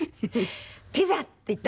「ピザ！」って言ったのよね。